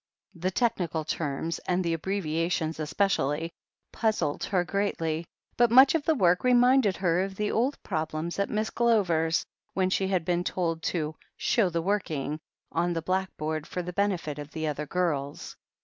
The technical terms, and the abbreviations especially, puzzled her greatly, but much of the work reminded her of the old problems at Miss Glover's, when she had been told to "show the working" on the black board for the benefit of the other girls.